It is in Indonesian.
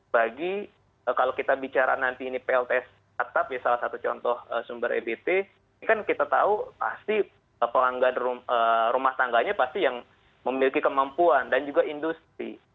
bagi kalau kita bicara nanti ini plts atap ya salah satu contoh sumber ebt ini kan kita tahu pasti pelanggan rumah tangganya pasti yang memiliki kemampuan dan juga industri